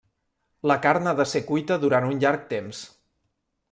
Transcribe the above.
La carn ha de ser cuita durant un llarg temps.